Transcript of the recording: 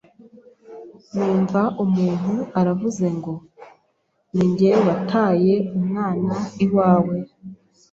numva umuntu aravuze ngo ninjye wataye umwana iwawe,